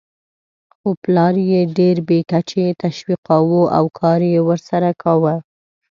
خو پلار یې ډېر بې کچې تشویقاوو او کار یې ورسره کاوه.